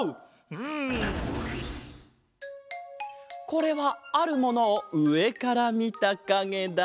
これはあるものをうえからみたかげだ。